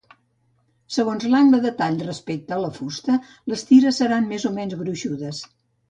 Segons l'angle del tall respecte a la fusta, les tires seran més o menys gruixudes.